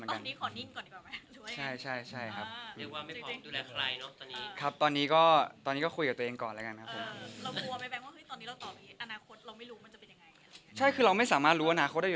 ฟังที่เชื่อด้วยครับ